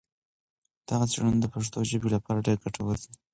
دغه څېړنه د پښتو ژبې لپاره ډېره ګټوره ده.